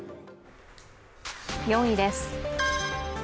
４位です。